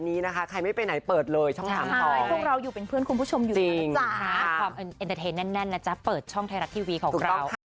ติดตามสิ่งใดกับสัมพันธ์ธนานะครับ